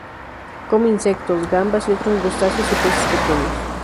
Come insectos, gambas y otros crustáceos, y peces pequeños.